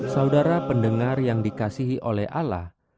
saudara pendengar yang dikasihi oleh ala